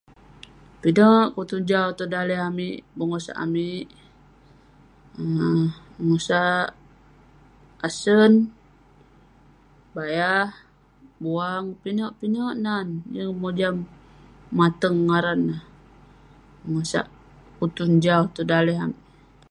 Pinek kutun jau tong daleh amik, bengosak amik. um bengosak asen, bayah, buang. Pinek-pinek nan. Yeng mojam mateng ngaran neh, bengosak kutun jau tong daleh amik.